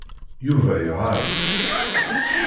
Yuba iɣab.